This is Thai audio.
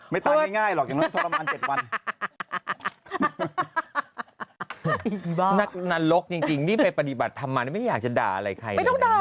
ไม่ตายง่ายหรอกผู้บ้าลดจริงนี่ไปปฏิบัติทำไม่อยากจะด่าอะไรไข้